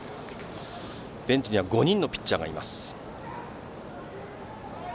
ベンチには５人のピッチャーがいます。